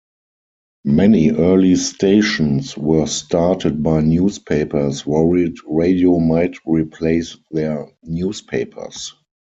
Many early stations were started by newspapers worried radio might replace their newspapers.